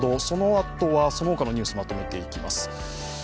そのあとは、その他のニュースまとめていきます。